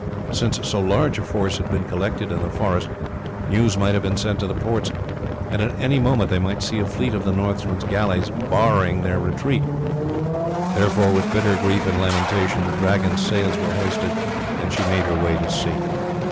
Since so large a force had been collected in the forest news might have been sent to the ports, and at any moment they might see a fleet of the Northmen's galleys barring their retreat; therefore with bitter grief and lamentation the Dragon's sails were hoisted and she made her way to sea.